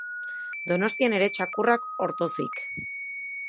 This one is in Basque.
Donostian ere txakurrak ortozik.